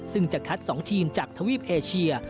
ซึ่งจะคัด๒ทีมจากทวีปเอเชีย